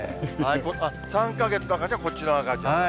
３か月の赤ちゃんはこっちの赤ちゃん。